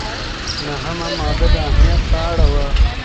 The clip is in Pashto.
نهمه ماده د امنیت په اړه وه.